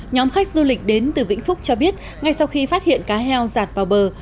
nhóm khách du lịch đến từ vĩnh phúc cho biết ngay sau khi phát hiện cá heo giạt vào bờ